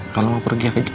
kalo mau pergi aja